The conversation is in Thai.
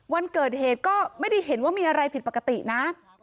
วันเกิดเหตุก็ไม่ได้เห็นว่ามีอะไรผิดปกตินะ